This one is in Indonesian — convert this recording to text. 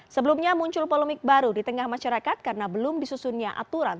sebelumnya muncul polemik baru di tengah masyarakat karena belum disusunnya aturan